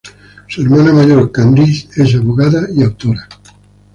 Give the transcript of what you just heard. Su hermana mayor, Candice, es abogada y autora.